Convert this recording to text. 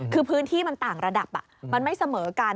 คือพื้นที่มันต่างระดับมันไม่เสมอกัน